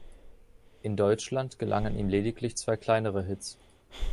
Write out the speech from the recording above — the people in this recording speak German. In Deutschland gelangen ihm lediglich zwei kleinere Hits.